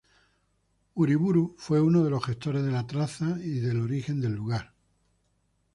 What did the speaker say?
Uriburu fue uno de los gestores de la traza y del origen del lugar.